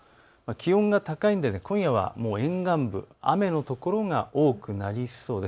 気温は高いので今夜は沿岸部雨の所が多くなりそうです。